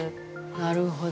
なるほど。